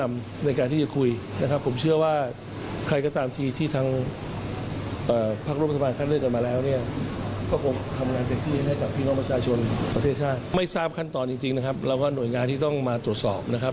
ไม่ทราบคั้นตอนจริงเราก็หน่วยงานที่ต้องมาตรวจสอบ